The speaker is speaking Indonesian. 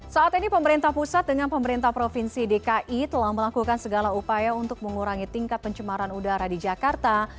saat ini pemerintah pusat dengan pemerintah provinsi dki telah melakukan segala upaya untuk mengurangi tingkat pencemaran udara di jakarta